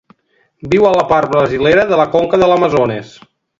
Viu a la part brasilera de la conca de l'Amazones.